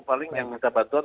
paling yang kita bantuan